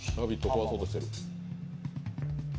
怖そうとしてる。